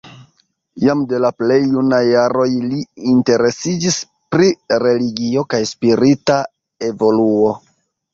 Jam de la plej junaj jaroj li interesiĝis pri religio kaj spirita evoluo.